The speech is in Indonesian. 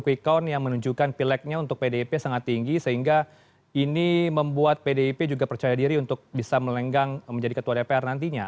quick count yang menunjukkan pileknya untuk pdip sangat tinggi sehingga ini membuat pdip juga percaya diri untuk bisa melenggang menjadi ketua dpr nantinya